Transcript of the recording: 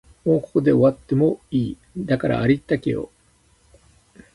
もうここで終わってもいい、だからありったけを